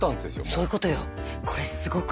そういうことよ。